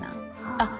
あっ！